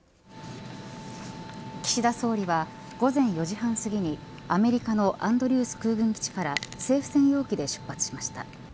岸田総理は午前４時半過ぎにアメリカのアンドリュース空軍基地から政府専用機で出発しました。